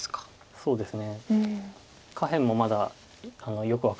そうですね